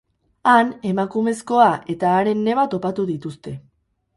Han, emakumezkoa eta haren neba topatu dituzte.